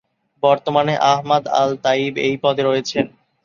বর্তমানে Ahmad al-Tayeb এই পদে রয়েছেন।